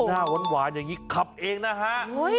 หน้าว้านขับเองนะฮะ